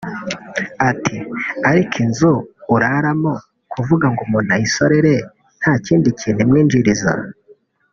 Ati “Ariko inzu uraramo kuvuga ngo umuntu ayisorere nta kindi kintu imwinjiriza